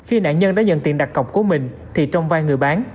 khi nạn nhân đã nhận tiền đặt cọc của mình thì trong vai người bán